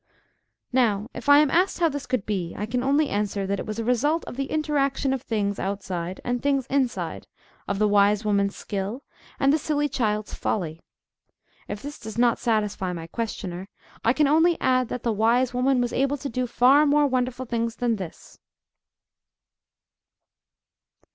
Now, if I am asked how this could be, I can only answer, that it was a result of the interaction of things outside and things inside, of the wise woman's skill, and the silly child's folly. If this does not satisfy my questioner, I can only add, that the wise woman was able to do far more wonderful things than this.